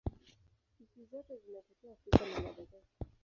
Spishi zote zinatokea Afrika na Madagaska.